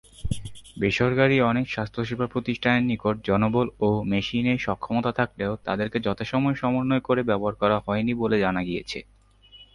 বেসরকারি অনেক স্বাস্থ্যসেবা প্রতিষ্ঠানের নিকট জনবল ও মেশিনের সক্ষমতা থাকলেও তাদেরকে যথাসময়ে সমন্বয় করে ব্যবহার করা হয়নি, বলে জানা গেছে।